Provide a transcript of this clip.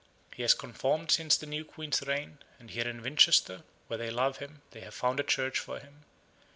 He has conformed since the new Queen's reign; and here in Winchester, where they love him, they have found a church for him.